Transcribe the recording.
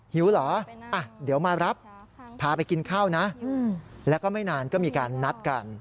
หิวเหรอเดี๋ยวมารับพาไปกินข้าวนะแล้วก็ไม่นานก็มีการนัดกัน